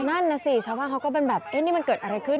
นั่นน่ะสิชาวบ้านเขาก็เป็นแบบเอ๊ะนี่มันเกิดอะไรขึ้น